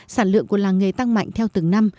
sản lượng của làng nghề tăng mạnh theo từng năm